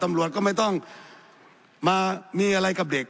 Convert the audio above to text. ตำรวจก็ไม่ต้องมามีอะไรกับเด็ก